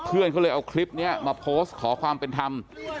เพื่อนเขาเลยเอาคลิปนี้มาโพสต์ขอความเป็นธรรม